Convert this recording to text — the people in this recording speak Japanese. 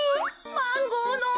マンゴーの。